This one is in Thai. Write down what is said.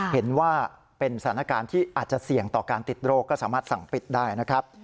เห็นว่าเป็นสถานการณ์ที่อาจจะเสี่ยงต่อการติดโรคก็สามารถสั่งปิดได้นะครับ